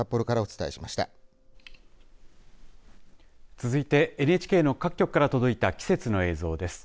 続いてＮＨＫの各局から届いた季節の映像です。